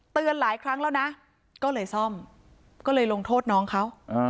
หลายครั้งแล้วนะก็เลยซ่อมก็เลยลงโทษน้องเขา